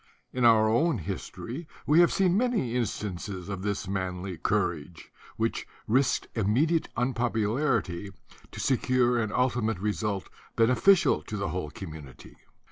In our own his tory we have seen many instances of this manly courage, which risked immediate unpopularity to secure an ultimate result beneficial to the whole community.